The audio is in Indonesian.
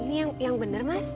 ini yang benar mas